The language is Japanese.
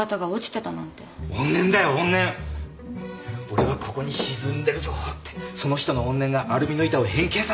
「俺はここに沈んでるぞ」ってその人のおん念がアルミの板を変形させたんだよ。